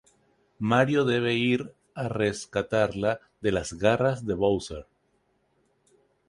Mario debe ir a rescatarla de las garras de Bowser.